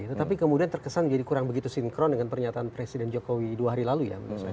tetapi kemudian terkesan jadi kurang begitu sinkron dengan pernyataan presiden jokowi dua hari lalu ya